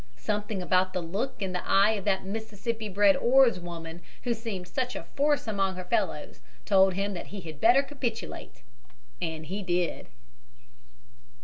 Something about the look in the eye of that Mississippi bred oarswoman, who seemed such a force among her fellows, told him that he had better capitulate. And he did.